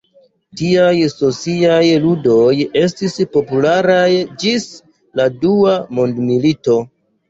Tiaj sociaj ludoj estis popularaj ĝis la Dua Mondmilito.